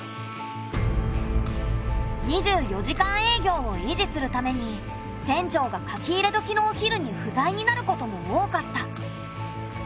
２４時間営業を維持するために店長が書き入れ時のお昼に不在になることも多かった。